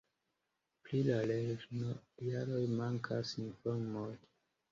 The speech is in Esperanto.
Pri la lernojaroj mankas informoj.